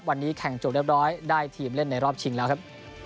วันนี้แข่งจบเรียบร้อยได้ทีมเล่นในรอบชิงแล้วครับ